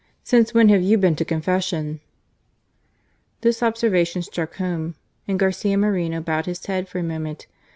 Since when have you been to con fession ?" This observation struck home, and Garcia Moreno bowed his head for a moment.